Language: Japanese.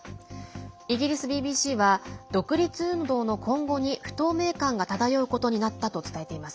イギリスＢＢＣは独立運動の今後に不透明感が漂うことになったと伝えています。